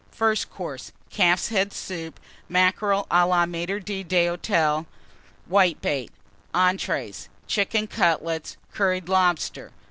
FIRST COURSE. Calf's Head Soup. Mackerel à la Maître d'Hôtel. Whitebait. ENTREES. Chicken Cutlets. Curried Lobster.